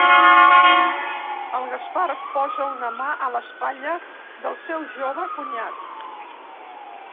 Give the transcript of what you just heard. El Gaspar posa una mà a l'espatlla del seu jove cunyat.